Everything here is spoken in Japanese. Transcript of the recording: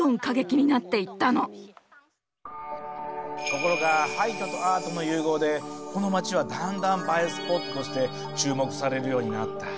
ところが廃墟とアートの融合でこの町はだんだん映えスポットとして注目されるようになった。